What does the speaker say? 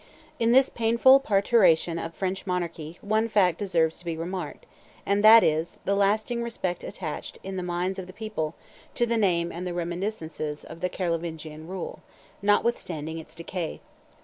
In this painful parturition of French monarchy, one fact deserves to be remarked, and that is, the lasting respect attached, in the minds of the people, to the name and the reminiscences of the Carlovingian rule, notwithstanding its decay.